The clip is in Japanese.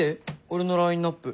俺のラインナップ。